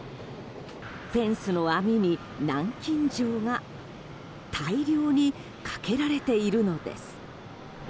フェンスの網に南京錠が大量にかけられているのです。